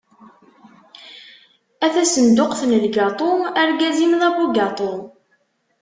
A tasenduqt n lgaṭu, argaz-im d abugaṭu.